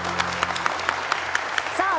さあ